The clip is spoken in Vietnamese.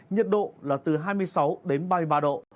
nhiệt độ là từ hai mươi sáu đến ba mươi ba độ